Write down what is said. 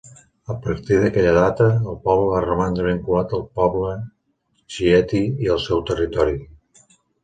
A partir d'aquella data, el poble va romandre vinculat al poble Chieti i al seu territori.